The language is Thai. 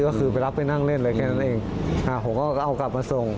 ก็คือไปรับไปนั่งเล่นเลยแค่นั้นเองอ่าผมก็เอากลับมาส่ง